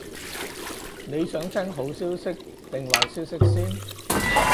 你想聽好消息定壞消息先？